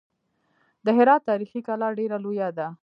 د هرات تاریخي کلا ډېره لویه ده.